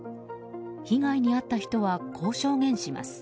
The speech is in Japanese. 被害に遭った人はこう証言します。